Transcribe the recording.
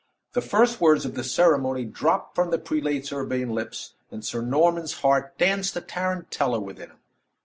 The first words of the ceremony dropped from the prelate's urbane lips, and Sir Norman's heart danced a tarantella within him.